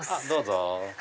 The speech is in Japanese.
どうぞ。